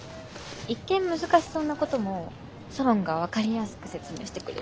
一見難しそうなこともソロンが分かりやすく説明してくれるし。